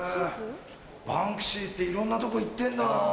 バンクシーっていろんなとこ行ってんだな。